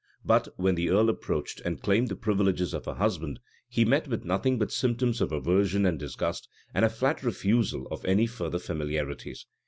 But, when the earl approached, and claimed the privileges of a husband, he met with nothing but symptoms of aversion and disgust, and a flat refusal of any further familiarities.